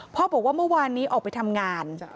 บอกว่าเมื่อวานนี้ออกไปทำงาน